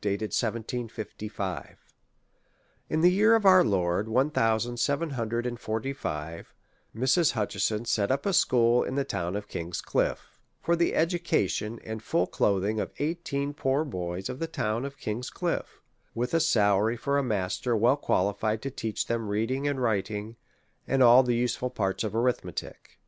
Dated 1755. In the year of our Lord, one thousand seven hundred and forty five, Mrs. Hutcheson set up a school in the town of King's Cliffe, for the education and full cloth ing of eighteen poor boys of the town of King's Cliffe, with a salary for a master well qualified to teach them reading and writing, and all the useful parts of arith metic.